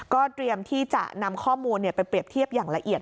เตรียมที่จะนำข้อมูลไปเปรียบเทียบอย่างละเอียด